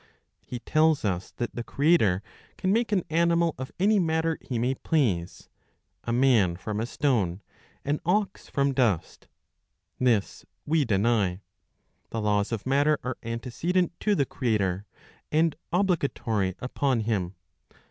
He tells us that the Creator can make an animal of any matter he may please, a man from a stone, an ox from dust. This we deny. The laws of matter are antecedent to the Creator, and obligatory upon him.